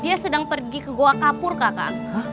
dia sedang pergi ke goa kapur kakak